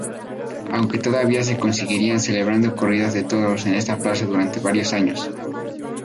Aunque todavía se seguirían celebrando corridas de toros en esta plaza durante varios años.